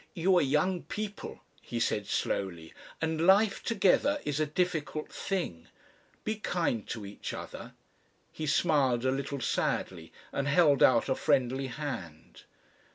"You are young people," he said slowly, "and life together is a difficult thing.... Be kind to each other." He smiled a little sadly, and held out a friendly hand.